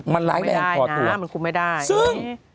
มันร้ายแรงความตัวซึ่งคุณไม่ได้นะคุณไม่ได้